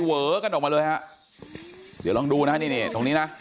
เวอกันออกมาเลยฮะเดี๋ยวลองดูนะนี่นี่ตรงนี้นะ